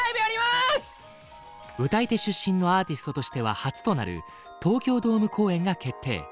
歌い手出身のアーティストとしては初となる東京ドーム公演が決定！